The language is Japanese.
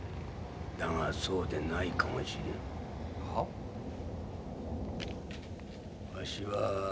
だがそうでないかもしれん。はあ？